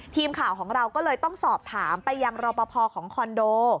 ทีมข่าวของเราก็เลยต้องสอบถามไปยังรอปภของคอนโด